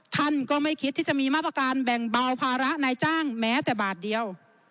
ท่านก็ไม่คิดที่จะมีมาตรการแบ่งเบาภาระนายจ้างแม้แต่บาทเดียว